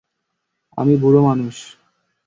আমি বুড়ো মানুষ।